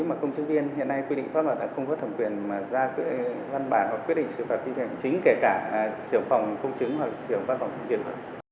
mà công chứng viên hiện nay quy định pháp luật là không quất thẩm quyền mà ra văn bản và quyết định xử phạt quy định chính kể cả trưởng phòng công chứng hoặc trưởng phát phòng công chứng